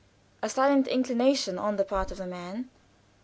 A silent inclination on the part of the man.